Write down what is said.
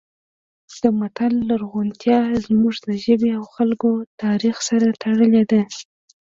د متل لرغونتیا زموږ د ژبې او خلکو تاریخ سره تړلې ده